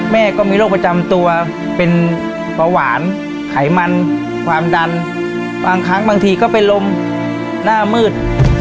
ก็มีโรคประจำตัวเป็นเบาหวานไขมันความดันบางครั้งบางทีก็เป็นลมหน้ามืด